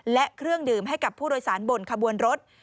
และเครื่องดื่มให้กับผู้โดยสารบนขบวนรถ